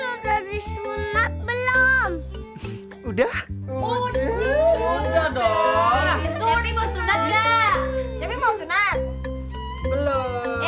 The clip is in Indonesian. udah disunat belum udah udah udah dong tapi mau sunat belum